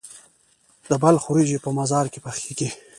د بلخ وریجې په مزار کې پخیږي.